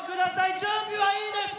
準備はいいですか！